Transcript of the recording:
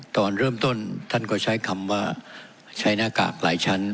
ตอนเริ่มต้นท่านก็ใช้คำว่าใช้หน้ากากหลายชั้น